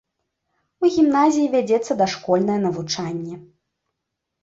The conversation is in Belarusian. У гімназіі вядзецца дашкольнае навучанне.